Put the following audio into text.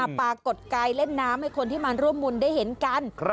มาปากดไกลนะเล่นน้ำให้คนเรื่องบุญได้เห็นกัน